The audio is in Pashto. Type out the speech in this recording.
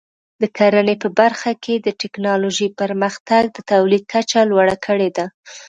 د کرنې په برخه کې د ټکنالوژۍ پرمختګ د تولید کچه لوړه کړې ده.